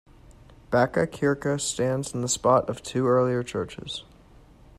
Backa Kyrka stands in the spot of two earlier churches.